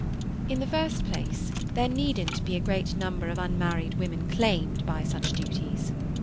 "In the first place, there needn't be a great number of unmarried women claimed by such duties.